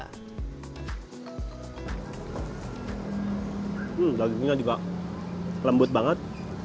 hmm dagingnya juga lembut banget